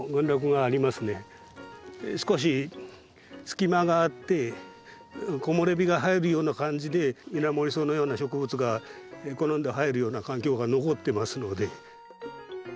少し隙間があって木漏れ日が入るような感じでイナモリソウのような植物が好んで生えるような環境が残ってますので。